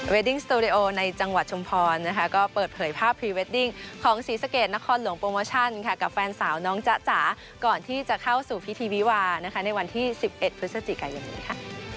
ดิ้งสตูดิโอในจังหวัดชุมพรนะคะก็เปิดเผยภาพพรีเวดดิ้งของศรีสะเกดนครหลวงโปรโมชั่นค่ะกับแฟนสาวน้องจ๊ะจ๋าก่อนที่จะเข้าสู่พิธีวิวานะคะในวันที่๑๑พฤศจิกายนนี้ค่ะ